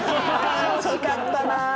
あ惜しかったな！